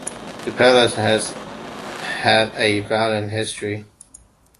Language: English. The palace has had a violent history.